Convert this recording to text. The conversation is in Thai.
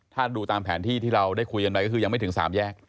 ถ้าดูตามแผนที่ที่เราได้คุยกันไปก็คือยังไม่ถึง๓แยก